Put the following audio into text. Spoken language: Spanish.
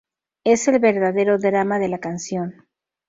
Es el verdadero drama de la canción.